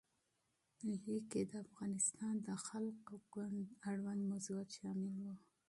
لیک کې د افغانستان د خلق ګوند اړوند موضوعات شامل وو.